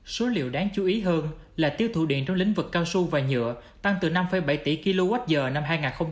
số liệu đáng chú ý hơn là tiêu thụ điện trong lĩnh vực cao su và nhựa tăng từ năm bảy tỷ kwh năm hai nghìn hai mươi